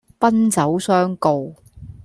奔走相告